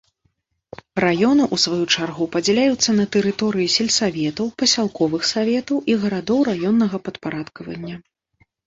Раёны ў сваю чаргу падзяляюцца на тэрыторыі сельсаветаў, пасялковых саветаў і гарадоў раённага падпарадкавання.